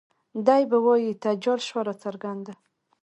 دے به وائي تجال شوه راڅرګنده